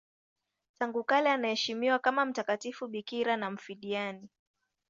Tangu kale anaheshimiwa kama mtakatifu bikira na mfiadini.